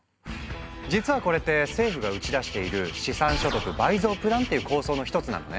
実はこれって政府が打ち出している「資産所得倍増プラン」っていう構想の一つなのね。